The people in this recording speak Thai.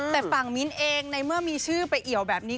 แต่ฝั่งมิ้นท์เองในเมื่อมีชื่อไปเอี่ยวแบบนี้